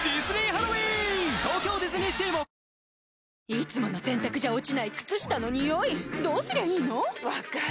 いつもの洗たくじゃ落ちない靴下のニオイどうすりゃいいの⁉分かる。